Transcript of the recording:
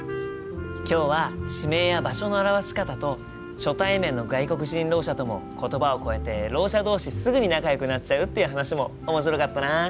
今日は地名や場所の表し方と初対面の外国人ろう者とも言葉を超えてろう者同士すぐに仲よくなっちゃうっていう話も面白かったな。